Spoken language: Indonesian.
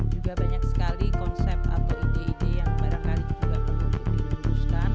juga banyak sekali konsep atau ide ide yang barangkali juga perlu diluruskan